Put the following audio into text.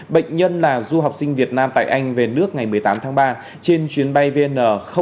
bệnh nhân là du học sinh việt nam tại anh về nước ngày một mươi tám tháng ba trên chuyến bay vn năm mươi